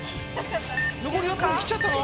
残り４分切っちゃったの？